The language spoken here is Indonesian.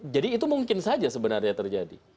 jadi itu mungkin saja sebenarnya terjadi